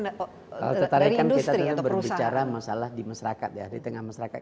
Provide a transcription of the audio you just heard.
dari industri atau perusahaan